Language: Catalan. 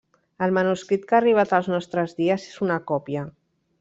El manuscrit que ha arribat als nostres dies és una còpia.